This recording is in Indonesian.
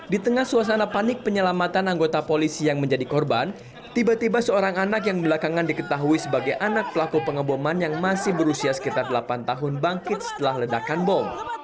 di tengah suasana panik penyelamatan anggota polisi yang menjadi korban tiba tiba seorang anak yang belakangan diketahui sebagai anak pelaku pengeboman yang masih berusia sekitar delapan tahun bangkit setelah ledakan bom